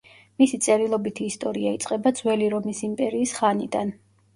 მისი წერილობითი ისტორია იწყება ძველი რომის იმპერიის ხანიდან.